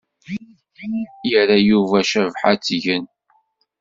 Yerra Yuba Cabḥa ad tgen.